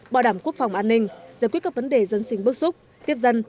bảo đảm quốc phòng an ninh giải quyết các vấn đề dân sinh bước xúc tiếp dân